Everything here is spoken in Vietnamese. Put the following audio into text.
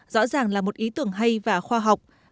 rõ ràng là một ý tưởng hay và khoa học